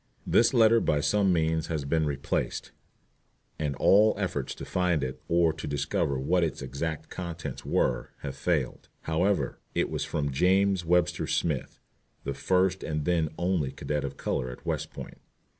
* *This letter by some means has been misplaced, and all efforts to find it, or to discover what its exact contents were, have failed. However, it was from James Webster Smith, the first and then only cadet of color at West Point.